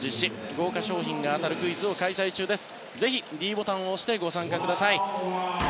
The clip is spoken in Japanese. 豪華賞品が当たるクイズを開催中です。